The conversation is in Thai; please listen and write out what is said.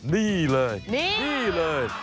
นี่เลย